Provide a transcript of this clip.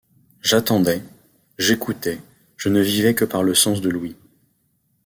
J’attendais, j’écoutais, je ne vivais que par le sens de l’ouïe !